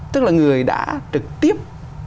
tức là người đã trực tiếp